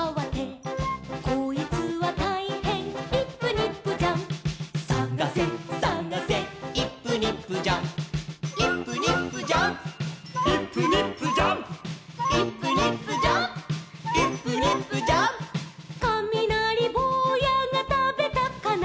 「こいつはたいへんイップニップジャンプ」「さがせさがせイップニップジャンプ」「イップニップジャンプイップニップジャンプ」「イップニップジャンプイップニップジャンプ」「かみなりぼうやがたべたかな」